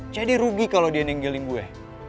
jadi rugi kalau dia ninggelin gue